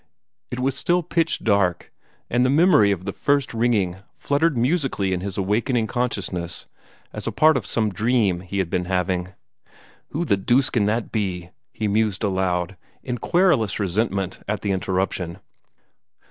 It was still pitch dark, and the memory of the first ringing fluttered musically in his awakening consciousness as a part of some dream he had been having. "Who the deuce can that be?" he mused aloud, in querulous resentment at the interruption.